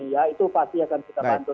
ya itu pasti akan kita bantu